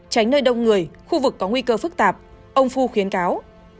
tránh nơi đông người khu vực có nguy cơ phức tạp ông fu khuyến cáo